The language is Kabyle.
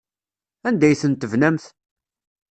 Anda ay ten-tebnamt?